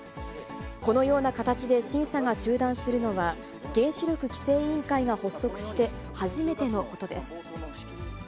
このような形で審査が中断するのは、原子力規制委員会が発足して初めてのことです。